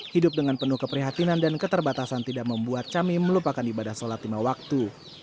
hidup dengan penuh keprihatinan dan keterbatasan tidak membuat cami melupakan ibadah sholat lima waktu